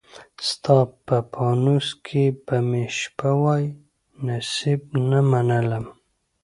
ستا په پانوس کي به مي شپه وای، نصیب نه منلم